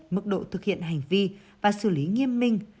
mức độ thực hiện hành vi và xử lý nghiêm minh